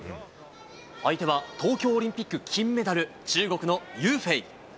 相手は、東京オリンピック金メダル、中国のユーフェイ。